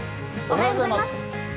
おはようございます。